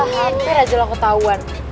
hampir aja lo ketauan